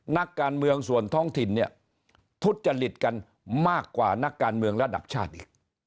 นักการเมืองส่วนท้องถิ่นเนี่ยทุจจริตกันมากกว่านักการเมืองระดับชาติอีก